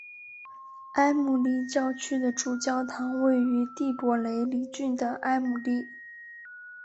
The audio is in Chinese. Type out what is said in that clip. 埃姆利教区的主教堂位于蒂珀雷里郡的埃姆利。